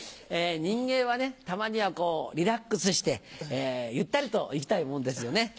人間はたまにはこうリラックスしてゆったりといきたいもんですよね。